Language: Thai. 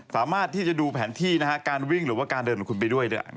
สามารถที่จะดูแผนที่นะฮะการวิ่งหรือว่าการเดินของคุณไปด้วยเนี่ย